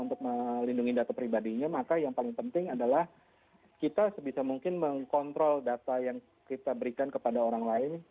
untuk melindungi data pribadinya maka yang paling penting adalah kita sebisa mungkin mengkontrol data yang kita berikan kepada orang lain